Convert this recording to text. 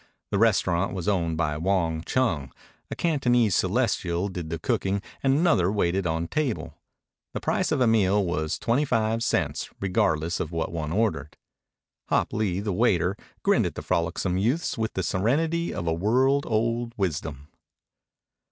The restaurant was owned by Wong Chung. A Cantonese celestial did the cooking and another waited on table. The price of a meal was twenty five cents, regardless of what one ordered. Hop Lee, the waiter, grinned at the frolicsome youths with the serenity of a world old wisdom.